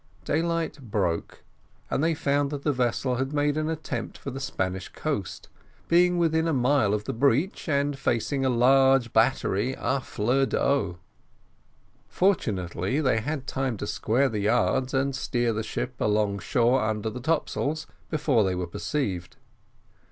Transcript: Daylight broke, and they found that the vessel had made an attempt for the Spanish coast, being within a mile of the beach, and facing a large battery fleur d'eau; fortunately they had time to square the yards, and steer the ship along shore under the top sails, before they were perceived.